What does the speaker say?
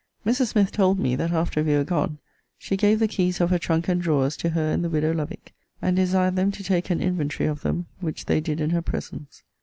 Mrs. Smith told me, that, after we were gone, she gave the keys of her trunk and drawers to her and the widow Lovick, and desired them to take an inventory of them; which they did in her presence.